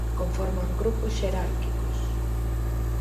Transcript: Conforman grupos xerárquicos.